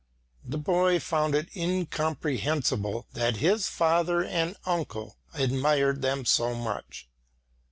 The boy found it incomprehensible that his father and uncle admired them so much.